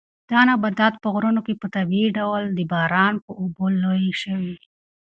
دا نباتات په غرونو کې په طبیعي ډول د باران په اوبو لوی شوي.